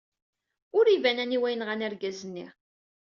Ur iban aniwa yenɣan argaz-nni.